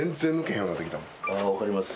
あ分かります。